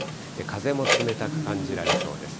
風も冷たく感じられそうです。